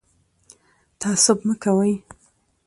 تعصب مه کوئ